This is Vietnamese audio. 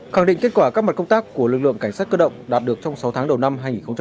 khẳng định kết quả các mặt công tác của lực lượng cảnh sát cơ động đạt được trong sáu tháng đầu năm hai nghìn hai mươi